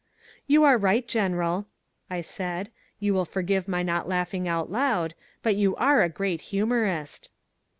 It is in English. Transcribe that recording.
"You are right, General," I said, "you will forgive my not laughing out loud, but you are a great humorist."